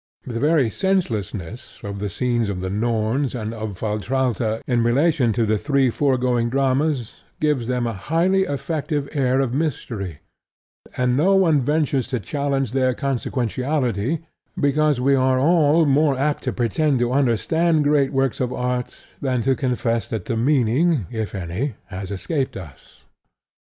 The very senselessness of the scenes of the Norns and of Valtrauta in relation to the three foregoing dramas, gives them a highly effective air of mystery; and no one ventures to challenge their consequentiality, because we are all more apt to pretend to understand great works of art than to confess that the meaning (if any) has escaped us.